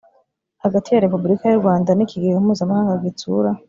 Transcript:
hagati ya repubulika y u rwanda n ikigega mpuzamahanga gitsura